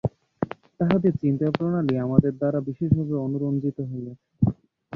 তাহাদের চিন্তাপ্রণালী আমাদের দ্বারা বিশেষভাবে অনুরঞ্জিত হইয়াছে।